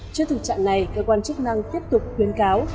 trước thực trạng này cơ quan chức năng tiếp tục khuyến cáo